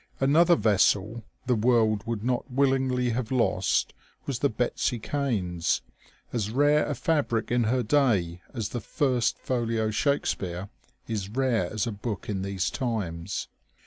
Another vessel the world would not willingly have lost was the Betsy Cains, as rare a fabric in her day as the ^' first folio Shake speare " is rare as a book in these times.